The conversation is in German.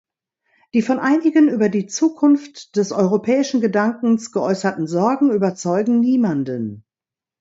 Die von einigen über die Zukunft des europäischen Gedankens geäußerten Sorgen überzeugen niemanden.